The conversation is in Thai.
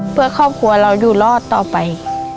เพื่อครอบครัวเราอยู่รอดต่อไป